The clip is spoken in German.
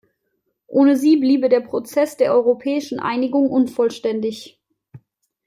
Ohne sie bliebe der Prozess der europäischen Einigung unvollständig.